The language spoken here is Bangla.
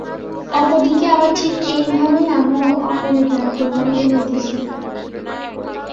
অপর দিকে আবার ঠিক এইভাবেই আমরাও অপরের দ্বারা প্রভাবিত হইতেছি।